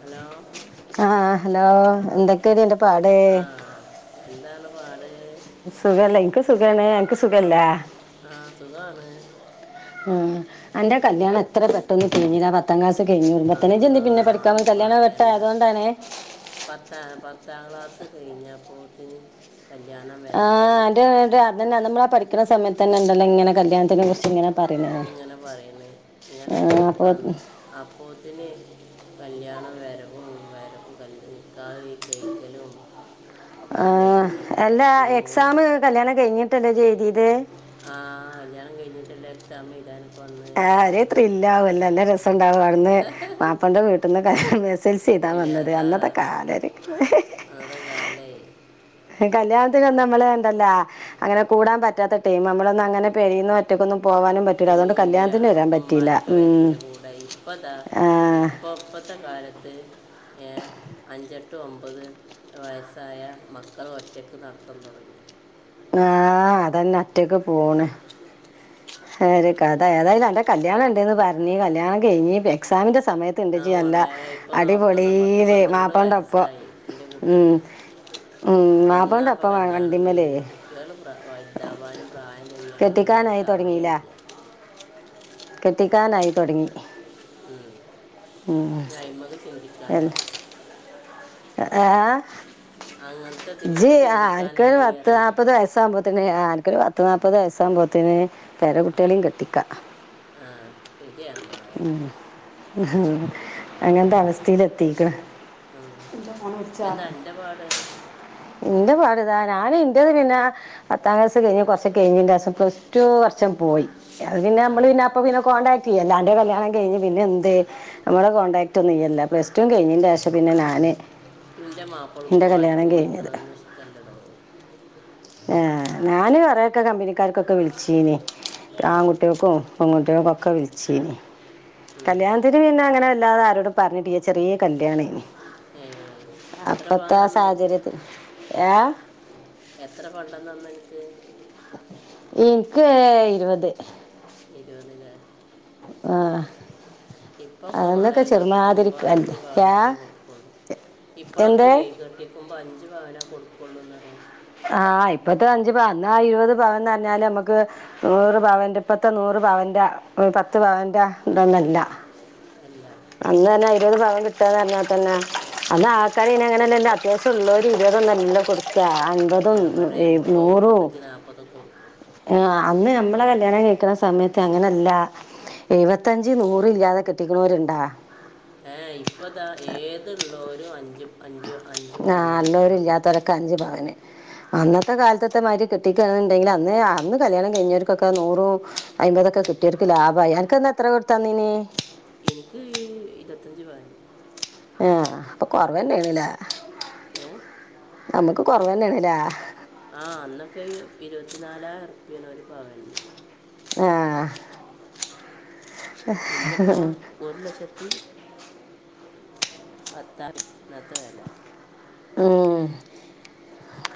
Hello ആഹ് hello എന്തെക്കെടി അന്റെ പാട് ആ എന്താണ് പാ സുഖല്ലേ ഇൻക്ക് സുഖാണ് അൻക്ക് സുഖല്ലാ ആ സുഖാണ് ഉം അന്റെ കല്യാണം എത്ര പെട്ടെന്ന് കെയ്ഞ്ഞതാ പത്താം ക്ലാസ് ന്ന് കയ്ഞ്ഞ്ണ് ന്നട്ടന്നെ ഇജ്ജെന്തെ‌ അല്ലാ പിന്നെ പഠിക്കാ വ ഒന്നും കല്ല്യാണം പറയണ്ട പെട്ടായതാേണ്ടാണ് കെയ്ഞ്ഞപ്പോത്ത്ന് ആ അന്റെ ന്റെ അതന്നെ നമ്മളാ പഠിക്ക്ണ സമയത്തന്നെണ്ടല്ലോ ഇങ്ങനെ കല്യാണത്തിനെ കുർച്ച്ങ്ങനെ ഇങ്ങനെ പറയണേ ഇങ്ങനെ ആഹ് അപ്പൊ ആ അപ്പോത്തിന് കല്ല്യാണം വരവും വരവും കല്ല് നിക്കാഹ് കഴിക്കലും ഒക്കെ ആഹ് കഴിഞ്ഞ് കല്ല പിന്നെ മൂന്ന് തന്നെ ചെയ്തീത് ആ കല്ല്യാണം കഴിഞ്ഞിട്ടല്ലേ എക്സാം എഴുതാന് ആ ഒരേത്രി ലാവൽ നല്ല രസണ്ടാവും അവിടുന്ന് മാപ്പളന്റെ വീട്ടിൽന്ന്ക്കെ എസ്‌ൽസി എഴുതാ കല്യാ വന്നത് ആ അന്നത്തെ കാലാലോയിക്കുമ്പോ അന്നത്തെ കാലേ കല്യാണത്തിനൊന്നും നമ്മള് ണ്ടല്ലാ അങ്ങനെ കൂടാൻ പറ്റാത്ത ടൈം നമ്മളൊന്നും അങ്ങനെ പെരേന്ന് ഒറ്റക്കൊന്നും പോകാനും പറ്റില്ല അതൊണ്ട് യ ഒക്കമാരൊക്കെ വരന്റെ കൂടെ ഇപ്പതാ ആ ഇപ്പ ഇപ്പത്തെ കാലത്ത് അഞ്ചെട്ട് ഒമ്പത് വയസ്സായ മക്കൾ ഒറ്റക്ക് നടത്താൻ തുടങ്ങി ആഹ് അതന്നെ അറ്റക്ക് പോണ് കഥ ഏതായും അന്റെ കല്യാണം ഉണ്ടന്ന് പറഞ്ഞ് കല്യാണം കഴിഞ്ഞി എക്സാമിന്റെ സമയത്ത് ആ ഇണ്ട്ജല്ല മോളെ ഇപ്പം നോക്കണ പത്ത് അടിപൊളിയിലേ പന്ത്രണ്ട് മാപ്പാളന്റൊപ്പം വയസ്സായി എൻ്റെ ഉം കുട്ടിക്ക് ഉം മാപ്പളന്റെപ്പം വണ്ടിമ്മേലേ ട്ടിയള് ഇതാവാനും പ്രായ ചെയ്യാനൊന്നും കെട്ടിക്കാനായി തുടങ്ങിയില്ല സമയില്ല കെട്ടിക്കാനായി തൊടങ്ങി ഉം ഞായ്മക ചിന്തിക്കാനായി ആഹ അങ്ങനത്തെ ജ് തിമ്മക്ക് ആന്ക്കൊരു ചിന്തിക്കാനായി പത്ത് അറിയാം നാൽപ്പത് വയസാവുമ്പതേന് അനക്കൊര് പത്ത് നാല്പ്പത് വയസാകുമ്പോത്തേന് പേര കുുട്ടികളെയും കെട്ടിക്കാ ആഹ് ശരി ഏണ്മാളർ അങ്ങനത്തെ അവസ്ഥയില എത്തിക്ക്‌ണ് ഉം. എന്റെ ഫോണ് വച്ചാ എന്താ എൻ്റെ പാട് എന്റെ പാട്താ ഞാന് ഇൻറേത് പിന്നെ പത്താം ക്ലാസ്സ് കഴിഞ്ഞഞ് കുറച്ച കഴിഞ്ഞി ദിസം പ്ലസ് ടു വർഷം പോയി അത് പിന്നെ ആ നമ്മള് പിന്നെ അപ്പ പിന്നെ കോണ്ടാക്- പി എല്ലാണ് [unintelligible] എടെ കല്യാണം കഴിഞ്ഞ് പിന്നെ എന്ത് നമ്മുടെ കോണ്ടടാക്ട് ഒന്നും ഇല്ല പ്ലസ് ടു കഴിഞ്ഞിന്റെ ശേഷെ പിന്നെ നാന് പിന്റെ മാപ്പിളക്കും ആര്ക്കും കഴിഞ്ഞത് വിളിക്കണതന്ന ഇഷ്ട്ടല്ലെടോ. ആ ഞാന് കുറെയൊക്കെ കമ്പനിക്കാർക്കൊക്കെ വിളിചീനി. ആ ആങ്കുട്ട്യാൾക്കും. പെൺകുട്യോക്കും ക്കെ വിളിചീനി. ഉം. കല്യാണത്തിരി പിന്നെ അങ്ങനെ അല്ലാതെ ആരോട് പറഞ്ഞിട്ടില്ല. ചെറിയ കല്യാണന്. ഏ എത്ര പവൻ തന്ന ങ്ങക്ക്? സാഹചര്യത്തിൽ ഏ എത്ര പണ്ടം തന്ന ങ്ങക്ക്? നക്ക് ഇരുപത്. ഇരുപത് ലെ. ആ ഇപ്പൊക്കെ മളെ അന്നൊക്കെ ചെറുമാതിരി കെട്ടിക്കുമ്പോ കല്ല് അഞ്ചു ഏ പവനൊക്കെ കൊടുക്കുള്ളൂ. എന്തേ ഇപ്പോഴൊക്കെ ഏ കെട്ടിക്കുമ്പോ പ്പൊ അഞ്ച് പാവന കൊടുക്കുള്ളൂന്ന്റിയാം. ആഹ ഇപ്പത്തെ അഞ്ചു പാവ എന്നാ ഇരുപത് പവൻന്ന് പറഞ്ഞാല് നമ്മുക്ക് നൂറ് പവന്റെ ഇപ്പത്തെ നൂറ് പവന്റെ പത്ത് പവന്റെ ഇണ്ടൊന്നല്ല. അല്ല. ഇപം കിട്ടാൽ തന്നെ അ ആൾക്കാര് ഇ അങ്ങനെ എ അത്യാവശ്യം ഇളോലുംഒരു തന്നെ കൊടു അമ്പതും എവിടെ മുപ്പത് നൂറും മുപ്പത്തഞ്ച് നാൽപ്പതൊക്കെ കൊടുക്കും അന്ന് മ്മളെ കല്യാണം കയ്ക്ക്‌ണ സമയത്ത് അങ്ങനല്ല എഴുപത്തഞ്ച് നൂറ് ഇല്ലാതെ കെട്ടിക്ക്‌ണോര്ണ്ടാ ഏഹ് ഇപ്പതാ ഏത്ള്ളോ [unintelligible] അഞ്ച് അഞ്ചോ ആഹ് ഇല്ലോരും ഇല്ലാത്തോരൊക്കെ അഞ്ച് പവന് അന്നത്തെ കാലത്ത്ത്തെ മായ്രി കെട്ടിക്കാണ് ന്ന്ണ്ടെങ്കിൽ അന്ന് അന്ന് കല്യാണം കഴിഞ്ഞവർക്കൊക്കെ നൂറും അയ്മ്പതൊക്കെ കിട്ടിയോര്ക്ക് ലാഭയി. അൻക്കന്ന് എത്ര കൊടുത്താന്നീനെ എനിക്ക് ഇര്പത്തഞ്ച് പവന് ആഹ് അപ്പ കൊറവന്നെണ്ലെ ഏഹ് നമ്മക്ക് കോറവെന്നെണ്ല്ലെ ആഹ് അന്നൊക്കെ ഇരുപത്തിനാലായിരം ഉർപ്യെന് ഒരു പവന്ന് ആഹ് ഇന്ന്പ്പം ഒരു ലക്ഷത്തി [unintelligible] ഇന്നത്തെ വെല ആഹ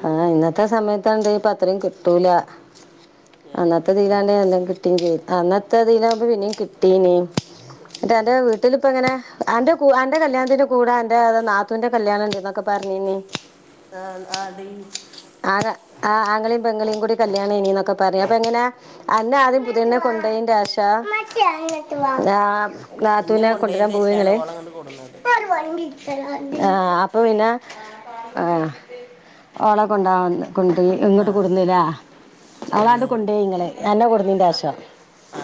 ഉം. ആഹ ഇന്നത്തെ സമയത്ത് ഇണ്ട് ഇപ്പ അത്രയും കിട്ടൂല ഏ അന്നത്തെ ഉം. തീലാണ എല്ലാം കിട്ടിയും ചെയ് അന്നത്തെ അതിവകുമ്പോ പിന്നേും കിട്ടീനേ കിട്ടി റ്റ എന്റെ വീട്ടിലിപ്പ എങ്ങനെ എന്റെ ആന്റെ കല്യാണത്തിന്റെ കൂടെ എന്റെ നാത്തുന്റെ കല്യാണം ഉണ്ടന്നൊക്കെ പറഞ്ഞിന് ആഹ ആടി ആ ആ ആങ്ങളെയും പെങ്ങളെയും കൂടി കല്യാണം ഇനന്നൊക്കെ പറയാ അപ്പൊ എങ്ങനെ അന്നെ ആദ്യം പുതിണ്ണെ കൊണ്ടയിന്റെ ആശ ആ ഇന്നെ നാത്തുവിനെ കൊണ്ടുവരാൻ കൊണ്ടതിൻ്റെ ശേഷമാണ് പോവങ്ങള് ഓളം കണ്ട് കൊടുന്നത് ആ അപ്പൊ പിന്നെ ആ ഉണ്ടാവില്ല കൊണ്ട് ആ ഇങ്ങോട്ട് കൊടുന്നില്ല അവളാണ്ട് കൊടുന്ന് കൊണ്ടുപയി ഇങ്ങള്എന്നെ കുടന്നീന്റെ ആശം ആ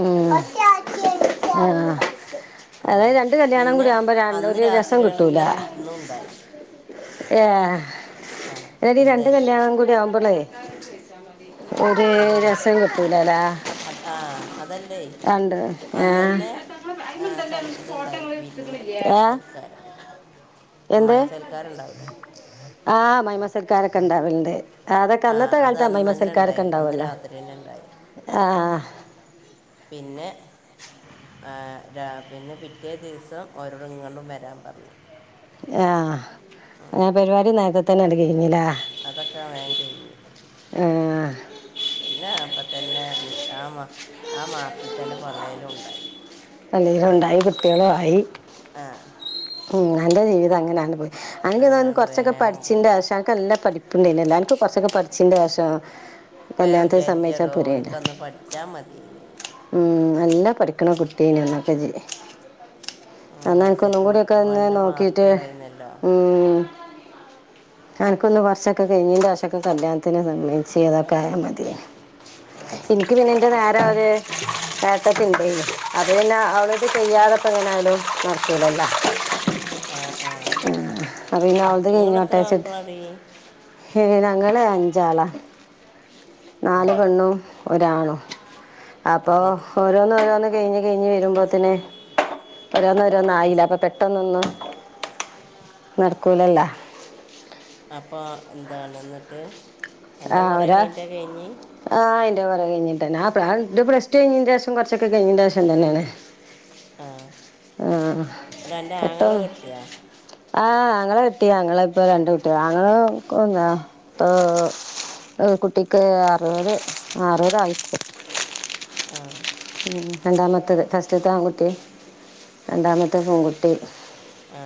ഉ ആ അങ്ങനെ പിന്നെ അന്ന് ഒരു രാത്രി രസം തന്നെ വിരുന്നു ഉണ്ടായി ഏ ട്ടീ രണ്ട് ഉണ്ടായി കല്യാണം കൂടി ആവുമ്പോള്ളേ എ ച്ച്ചാ മതി ശരിയാണ് അത് ആ അതല്ലേ രണ്ട് അന്ന ഏഹ് തന്നെ സൽ ഇത്ണ്ടായി വിരുന്ന് ഏഹ് സൽക്കാരം എന്ത് അമ്മായി സൽക്കാരം ഉണ്ടാവൂല്ലേ ആഹ് മൈമസൽക്കാരൊക്കെ ഇണ്ടാവലണ്ട് ആഹ അത് അന്ന് തന്നെ ഉണ്ടായി അന്ന് ഉണ്ടാവുമല്ലോ രാത്രിന്നെ ഉണ്ടായി ആഹ് പിന്നെ ആ പിന്നെ പിറ്റേ ദിവസം ഓരോടും ഇങ്ങണ്ടും വരാൻ പറഞ്ഞേ ആഹ അങ്ങനെ പരിപാടിന്നക്ക തനല്ലൽ കിഞ്ഞില അതൊക്കെ വേ കഴഞ്ഞി ആഹ് പിന്നെ അപ്പൊ തന്നെ ആ മാ ആ മാസി തന്നെ പള്ളലും ഉണ്ടായി അല്ല ഉണ്ടായി കുട്ടികളും ആയി ആഹ് ്ല്ല് ജീവിതം അങ്ങനെയാണ് പോയി അങ്ങനെ അങ്ങനെന്ത അങ്ങട് കൊറച്ചൊക്കെ വേഗം പഠിച്ചിന്റെ പോയി ആവശ്യൊക്കെല്ല പഠപ്പ ഇ നൻ എല്ലാൻക്ക കൊറച്ചൊക്കെ പടിച്ചിണ്ട അശം അപ്പൊ ഞാൻ വിചാരിച്ച എടോ എനിക്കന്ന് പഠിച്ചാ മതിനാണ് ഉം, നല്ല പഠിക്കണ കുട്ടി തനെന്നക്ക എന്നൽ എനക്ക് എസ് എൽ ഒന്നും കൂടക്കെ നല്ല മാർക്ക് നോക്കിട്ട് ഉണ്ടായിരുന്നല്ലോ ഉ എനിക്കൊന്ന് വർഷമൊക്കെ കഴിഞ്ഞിന്റെ ശേഷം കല്യാണത്തിന് സംബന്ധച്ച് ഏതൊക്കെ ആയാ മതിയാണ് എനിക്ക് പിന്നെ എന്റെ വ അതെ ഏട്ടത്തി ഉണ്ടേ അത് പിന്നെ അവരോടു ചെയ്യാത്ത ഇരുന്നാലും നടകില്ലല്ലോ ആഹ് ആഹ് പിന്നെ അവളത് നിങ്ങെത്ര മക്കളാടി ഏഹ് ഏഹ് ഞങ്ങള് അഞ്ചാളാ ആ നാല് പെണ്ണും ഒരാളോ അത് അപ്പൊ ശരി ഓരോന്ന് ഓരോന്ന് കഴിഞ്ഞ് കഴിഞ്ഞ് വരുമ്പോത്തിനെ ഓരോന്നും ഓരോന്ന് ആയില്ല അപ്പൊ പെട്ടന്നൊന്നും നടക്കൂലല്ല അപ്പൊ എന്താണ് എന്നിട്ട് എൻ്റെ ആഹ് കുറേ ഒരാ കഴിഞ്ഞിട്ടാണ് കഴിഞ്ഞ് ആഹ് എന്റെ കുറേ കഴിഞ്ഞിട്ട് തന്നെ ആഹ് എന്റെ പ്ലസ് ടു കഴിഞ്ഞെന്നു ശേഷം കുറച്ചൊക്കെ കഴിഞ്ഞന് തന്നെയാണ് ആഹ് ആ ട്ടു അന്റെ ആങ്ങള പെട്ടെന്ന് കെട്ടിയ ആ ഞങ്ങളെ കെട്ടി ഞങ്ങളെ ഇപ്പൊ രണ്ട് കുട്ടിയ ഞങ്ങും എന്താ ഇപ്പൊ കുട്ടിക്ക് അറുപത് ആറുപത് ആയി ആഹ് രണ്ടാമത്തേത് ഫസ്റ്റ്ത്തെ ആൺകുട്ടി രണ്ടാമത്തെ പെൺകുട്ടി ആ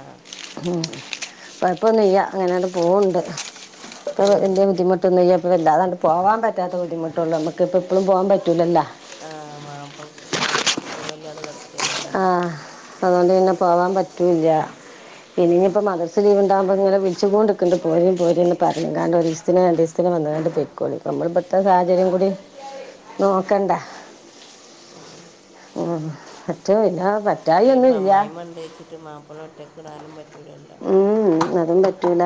ഉം കുഴപ്പമൊന്നുമില്ല അങ്ങനെ അങ്ങോട്ട് പോവണ്ട് ക് ഏ. എന്റെ ബുദ്ധിമുട്ടൊന്ന [unintelligible] വല്ലാതണ്ട് പോവാൻ പറ്റാത്ത ബുദ്ധിമുട്ടൊള്ളൂ നമുക്കിപ്പോ എപ്പളും പോകാൻ പറ്റില്ലല്ലോ ആഹ് മാപ്പളക്ക് ഇപ്പോം സുഖവില്ലാതെ കേടാകാ ഇല്ലല്ലേ ആ അതുകൊണ്ട് തന്നെ പോവാൻ പറ്റൂല്ല ഇനിന്നിപ്പോ മദർസ ലീവ് ഉണ്ടാവുമ്പോ ഇങ്ങനെ വിളിച്ചുകോണ്ടിക്കണ്ട് പോരേം പോരേംന്ന് പറയും കാരണം ഒരിസത്തിനൊ രണ്ടിസത്തിനോ വന്ന് കണ്ട് പൊയ്ക്കോളി നമ്മൾ ഇപ്പ ഇവിടത്തെ സാഹചര്യം കൂടി നോക്കണ്ടെ ആഹ് ആഹ് പറ്റവും ഇല്ലാ ഇനി ഇപ്പം അമ്മായിമ്മ ഉണ്ടെ വെച്ചിട്ട് മാപ്പിള ഒറ്റ ടാനും പറ്റ് റ്റുല്ലല്ലോ ഉം, അതും പറ്റൂല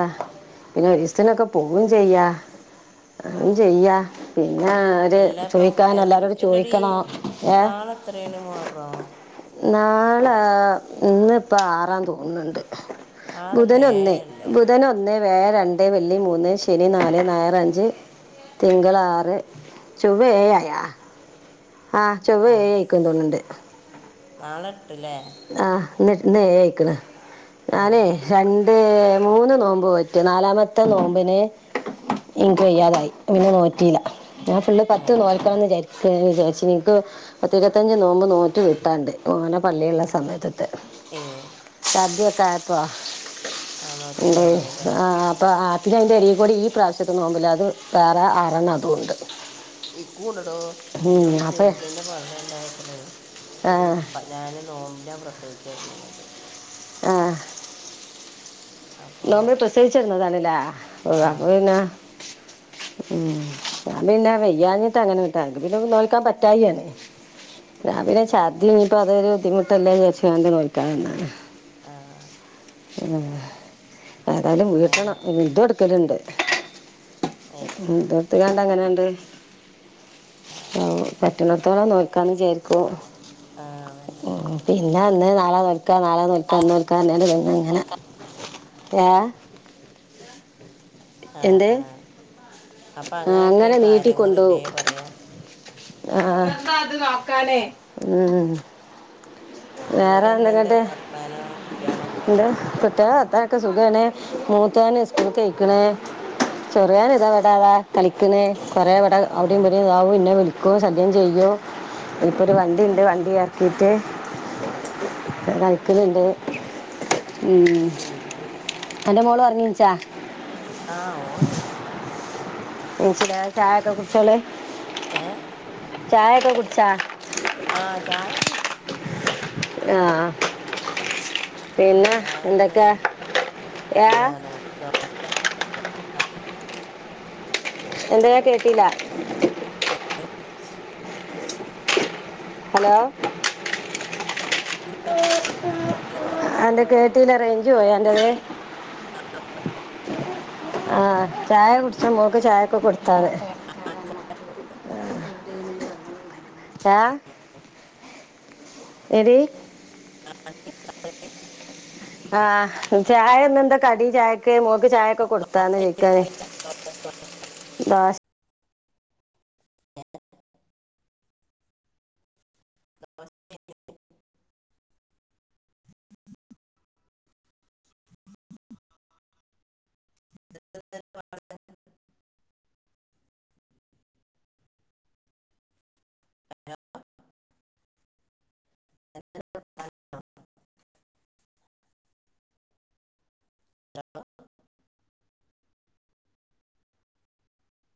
പിന്നെ ഒരിസത്തിനൊക്കെ പോവും ചെയ്യാ അതും ചെയ്യാ പിന്നെ അവര് എല്ലാം ഇപ്പം ചോയിക്കാൻ എല്ലാരോട് എല്ലടി ചോയിക്കണം ഏഹ് നാളെ എത്രയാണ് മുഹറം നാളെ ഇന്ന് ഇപ്പം ആറാന്ന് തോന്നുന്നുണ്ട് ബുധൻ ആറല്ലേ ഒന്ന് ഏഴല്ലേ ബുധൻ ഒന്നേ വ്യാഴം രണ്ടെ വെള്ളി മൂന്നേ ശനി നാലെ ഞായർ അഞ്ച് തിങ്കളാറ് ചൊവ്വ ഏഴയ ആഹ് ചൊവ്വ ഏയായിക്ക്‌ തോന്നണ്ട് നാളെ ട്ടില്ലേ ഇന്ന് ഇന്ന് ഏ ആയിക്കണ് ഞാനേ ര ഏ മൂന്ന് നോമ്പ് പറ്റും നാലാമത്തെ നോമ്പിന് എനിക്ക് വയ്യാതായി പിന്നെ നോറ്റീല്ല ഞാൻ ഫുള്ള് ആ പത്ത് നോൽക്കാന്ന് വിചാരി ക്ക് വിചാരിച്ചീനി എനിക്ക് പത്ത് ഇരുപത്തഞ്ച് നോമ്പ് നോറ്റു വിട്ടാണ്ട് ഓനെ പള്ളിയൊള്ള സ് സമയത്തെത്തെ ഏ അദ്യയൊക്കെ ആയപ്പോ ആ ഉണ്ടേ നോറ്റിണ്ടാവൂലല്ലേ ആ ആ അപ്പ അ പിന്നെ അതിൻന്റെ അരീ കൂടി ഈ പ്രാവശ്യത്തെ നോമ്പില്ലെ അത് വേറെ ആരാന്നാ തോന്ന്ണ്ട് ഈ കൂണ് എടോ എന്റെ ചെറുതിന്റെ പള്ള ഇണ്ടായപ്പളേ ആ, ഒരു പതിനാല് നോ ഞാൻ പ്രസവിച്ചിറങ്ങിയത് ആ അപ്പോൾ നോമ്പിന് പ്രസവിച്ചിരുന്നതാണല്ലേ ഓ ആ അപ്പ പിന്നെ ഉം ഞാൻ പിന്നെ വയ്യാനിട്ട അങ്ങനെ വിട്ടേ എങ്കി പിന്നെ ഒന്ന് നോക്കാൻ പറ്റായിയാണ് രാവിലെ ചദ്യ ഇനി ഇപ്പൊ അതൊരു ബുദ്ധിമുട്ടല്ലെ നച് നോക്കാന്നതാ ആ [unintelligible] ഏതായാലും അങ്ങനല്ലേ വീട്ടണം മുദ് ടുക്കലുണ്ട് ഏ മ് [unintelligible] പ്പം എങ്ങനെയണ്ട് ആ പ റ്റണത്തോളം നോക്കാന്ന്ചാരിക്കു ആ അതന്നെ ഉ പി പിഞാ വന്ന് നാളെ നാളെ നോക്ക ഇന്ന് നൽക്ക [unintelligible] നോൽക്ക എ ആ ആ അപ്പൊ ആ, അങ്ങനെയൊക്കെയ അങ്ങനെ കാര്യങ്ങൾ ലെ നീട്ടിക്കൊണ്ടുപോകും പറയാ ആ ഉ ഇന്നട്ട എന്ത്റെ വർത്താനം കുട്ടികളൊക്കെ സുഖണ് മൂത്തന സ്കൂള കഴിക്കണ് ചെറിയാണ് ഇതാ വടാതാ കളിക്കണ് കുറെേവി ആ അവിടെയും വേിയുംതാവുംന്നെ വിളു സദ്യം ചെയ്യോ ഇപ്പൊ ഒരു വണ്ടിുണ്ട് വണ്ടി ഇേർക്കീട്ട് കഴിക്കലുണ്ട് ഉം ഉം. എൻന്റെ മോള് ഉറങ്ങിച്ചാ ആഹ ഓള് നീച്ചി മ ചായ ഒൊക്കെ കുറിച്ചള ഏഹ ചായപ്പോ കുടിച്ചോ ആഹ ചായ കുടിച്ച് ആഹ ചായന്ന് ഏ എന്താണ് ദോ ആ എന്താ കേട്ടില്ല ഹലോ അതൊക്ക തന്നെറഞ്ച് പോയാ എൻ്റെത് ആ ചായ കുടിച്ചൂ മോൾക്ക് ചായൊക്കെ കൊടുത്താണ് ഏ എഴേ [inaudible] ആ ചായ ഇന്നെന്നന്താ കടി ചായക്ക് മോക്ക് ചായൊക്കെ കൊടുത്താന്ന് ന്താ [inaudible] [inaudible] [inaudible]